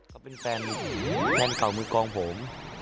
เขาเป็นแฟนแฟนเก่ามือกองผม